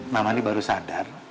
mama ini baru sadar